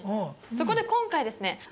そこで今回ですね